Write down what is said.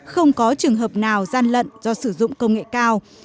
không có trường hợp nào gian lận do sử dụng công nghệ cao